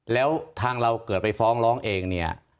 แล้วทางเราเกิดไปฟ้องร้องเองเนี่ย